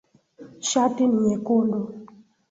Shati ni nyekundu.